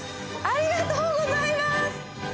ありがとうございます！